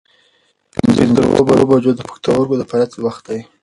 پنځه تر اووه بجو د پښتورګو د فعالیت وخت دی.